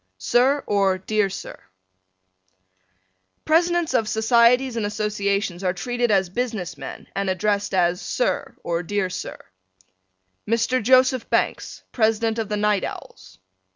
Sir: or Dear Sir: Presidents of Societies and Associations are treated as business men and addressed as Sir or Dear Sir. Mr. Joseph Banks, President of the Night Owls.